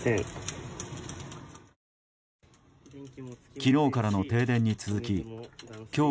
昨日からの停電に続き今日